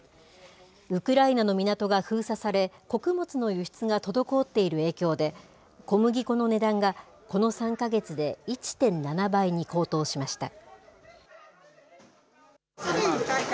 ウクライナの港が封鎖され、穀物の輸出が滞っている影響で、小麦粉の値段がこの３か月で１．７倍に高騰しました。